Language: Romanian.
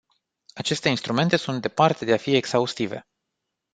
Aceste instrumente sunt departe de a fi exhaustive.